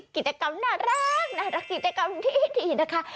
กิจกรรมน่ารักนี่นะคะ